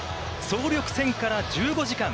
総力戦から１５時間。